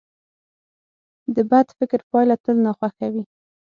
د بد فکر پایله تل ناخوښه وي.